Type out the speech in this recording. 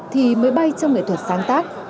thì mới bay cho nghệ thuật sáng tác